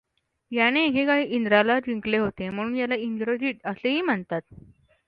याने एके काळी इंद्राला जिंकले होते म्हणून याला इंद्रजित असेही म्हणत.